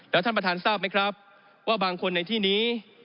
แล้วท่านประธานทราบไหมครับว่าบางคนในที่นี้